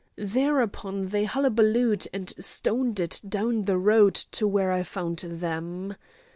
Thereupon they hullabalooed and stoned it down the road to where I found them.